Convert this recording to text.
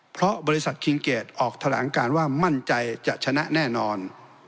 เพราะบริษัทคิงเกดออกแถลงการว่ามั่นใจจะชนะแน่นอน